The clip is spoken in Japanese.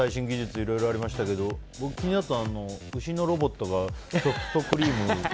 いろいろありましたけど僕が気になったのは牛のロボットがソフトクリームを。